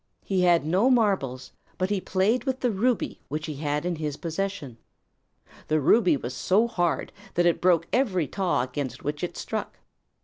He had no marbles, but he played with the ruby which he had in his possession. The ruby was so hard that it broke every taw against which it struck.